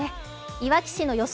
いわき市の予想